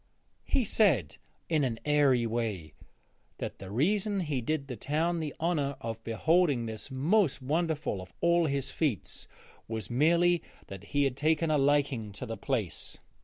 He said, in an airy way, that the reason he did the town the honour of beholding this most wonderful of all his feats was merely that he had taken a liking to the place.